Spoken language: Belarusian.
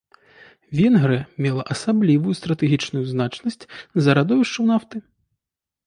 Венгрыя мела асаблівую стратэгічную значнасць з-за радовішчаў нафты.